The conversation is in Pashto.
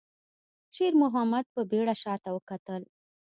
شېرمحمد په بيړه شاته وکتل.